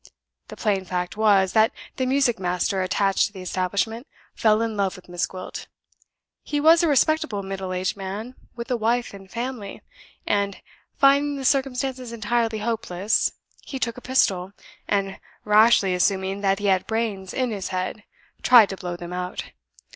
The plain fact was that the music master attached to the establishment fell in love with Miss Gwilt. He was a respectable middle aged man, with a wife and family; and, finding the circumstances entirely hopeless, he took a pistol, and, rashly assuming that he had brains in his head, tried to blow them out.